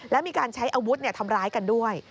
และมีการใช้อาวุธทำร้ายกันด้วย